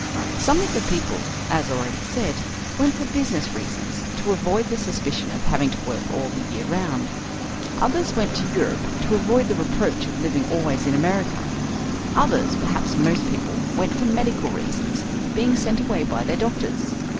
Some of the people, as already said, went for business reasons, to avoid the suspicion of having to work all the year round. Others went to Europe to avoid the reproach of living always in America. Others, perhaps most people, went for medical reasons, being sent away by their doctors.